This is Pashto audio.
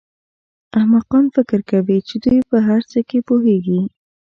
احمقان فکر کوي چې دوی په هر څه پوهېږي.